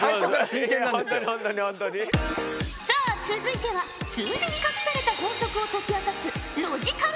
さあ続いては数字に隠された法則を解き明かすロジカル